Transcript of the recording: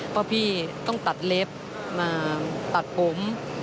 เพราะพี่ต้องตัดเล็บมาตัดผม